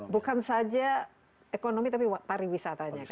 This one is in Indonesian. bukan saja ekonomi tapi pariwisatanya